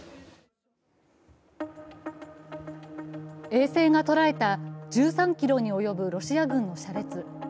衛星が捉えた１３ｋｍに及ぶロシア軍の車列。